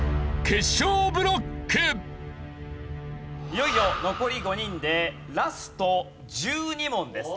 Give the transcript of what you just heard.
いよいよ残り５人でラスト１２問です。